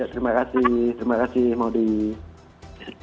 terima kasih terima kasih maudie